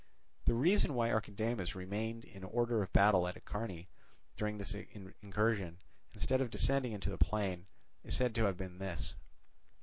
The reason why Archidamus remained in order of battle at Acharnae during this incursion, instead of descending into the plain, is said to have been this.